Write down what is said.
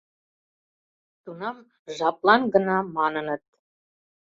Тунам «Жаплан гына» маныныт.